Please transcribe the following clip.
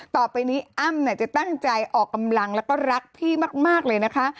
ต่อไปนี้อ้ำจะตั้งใจออกกำลังแล้วก็รักพี่มากเลยนะคะ